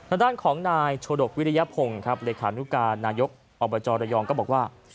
ด้านของนายโชดกวิริยพงศ์ครับเลขานุการนายกอบจระยองก็บอกว่า